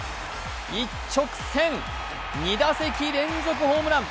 一直線、２打席連続ホームラン。